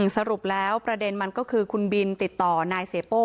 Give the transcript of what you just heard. สรุปแล้วประเด็นมันก็คือคุณบินติดต่อนายเสียโป้